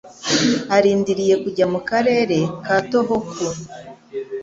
Arindiriye kujya mu karere ka Tohoku